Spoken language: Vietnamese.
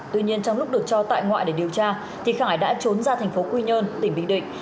tuy nhiên trong lúc được cho tại ngoại để điều tra thì khải đã trốn ra thành phố quy nhơn tỉnh bình định